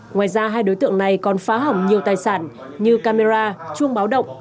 ngoài ra hai đối tượng này còn phá hỏng nhiều tài sản như camera chuông báo động